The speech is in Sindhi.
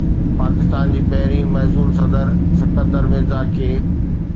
پاڪستان جي پهرين معزول صدر اسڪندر مرزا کي